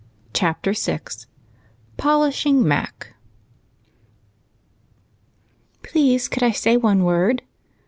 Chapter 6 POLISHING MAC "Please could I say one word?"